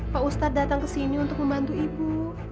pak ustadz datang ke sini untuk membantu ibu